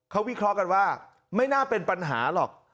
เขาวิเคราะห์กันว่าไม่น่าเป็นปัญหาหรอก